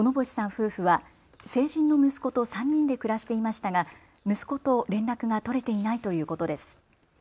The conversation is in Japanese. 夫婦は成人の息子と３人で暮らしていましたが息子と連絡が取れていないということです。